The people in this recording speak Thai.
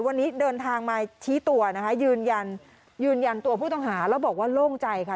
วันนี้เดินทางมาชี้ตัวนะคะยืนยันยืนยันยืนยันตัวผู้ต้องหาแล้วบอกว่าโล่งใจค่ะ